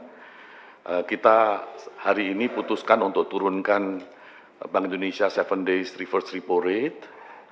jadi kita hari ini putuskan untuk turunkan bank indonesia tujuh days reverse repo rate